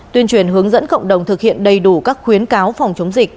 tuyên truyền hướng dẫn cộng đồng thực hiện đầy đủ các khuyến cáo phòng chống dịch